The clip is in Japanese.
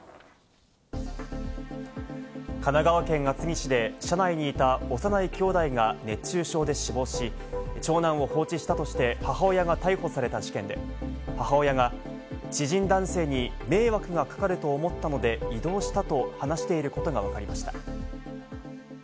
神奈川県厚木市で車内にいた幼いきょうだいが熱中症で死亡し、長男を放置したとして母親が逮捕された事件で、母親が知人男性に迷惑がかかると思ったので、移動したと話していることがわかりました。